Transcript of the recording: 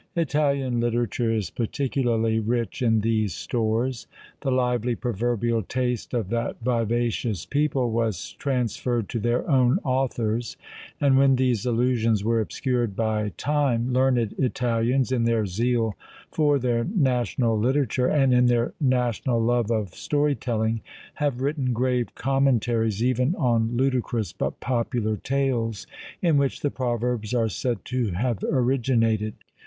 Italian literature is particularly rich in these stores. The lively proverbial taste of that vivacious people was transferred to their own authors; and when these allusions were obscured by time, learned Italians, in their zeal for their national literature, and in their national love of story telling, have written grave commentaries even on ludicrous, but popular tales, in which the proverbs are said to have originated.